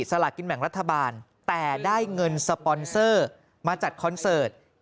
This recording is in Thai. สลากินแบ่งรัฐบาลแต่ได้เงินสปอนเซอร์มาจัดคอนเสิร์ต